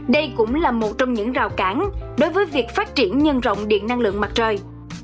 đây cũng là một trong những rào cản đối với việc phát triển nhân rộng điện năng lượng mặt trời